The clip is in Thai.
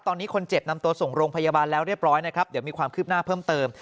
ตอนนี้คนเจ็บนำตัวส่งโรงพยาบาลแล้วเรียบร้อยนะครับเดี๋ยวมีความคืบหน้าเพิ่มเติม